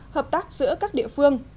hợp tác giữa các địa phương